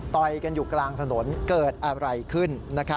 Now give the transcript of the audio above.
กันอยู่กลางถนนเกิดอะไรขึ้น